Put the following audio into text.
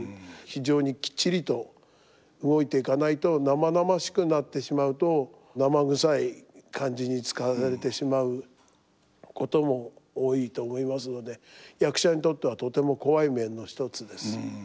非常にきっちりと動いていかないと生々しくなってしまうと生臭い感じに使われてしまうことも多いと思いますので役者にとってはとても怖い面の一つです。